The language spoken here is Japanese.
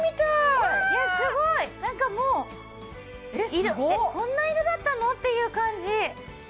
いやすごいなんかもうこんな色だったの？っていう感じ